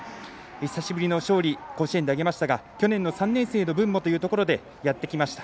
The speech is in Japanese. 久しぶりの勝利を甲子園で挙げましたが去年の３年生の分もというところでやってきました。